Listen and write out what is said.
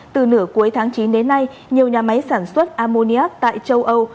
từ nửa cuối tháng chín đến nay nhiều nhà máy sản xuất ammoniac tại châu âu